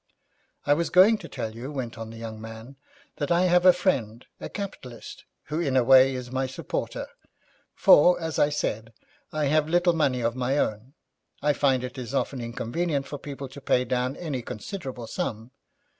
'I was going to tell you,' went on the young man, 'that I have a friend, a capitalist, who, in a way, is my supporter; for, as I said, I have little money of my own. I find it is often inconvenient for people to pay down any considerable sum.